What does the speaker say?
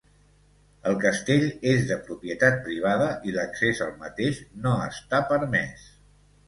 El castell és de propietat privada i l'accés al mateix no està permès.